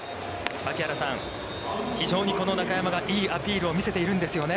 槙原さん、非常にこの中山がいいアピールを見せているんですよね。